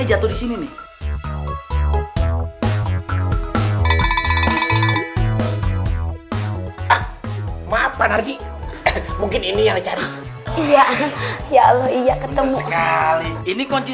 jatuh disini nih maaf panarji mungkin ini yang cari iya ya allah iya ketemu sekali ini kunci